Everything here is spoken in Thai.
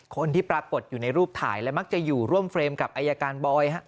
คนที่ปรากฏอยู่ในรูปถ่ายและมักจะอยู่ร่วมเฟรมกับอายการบอย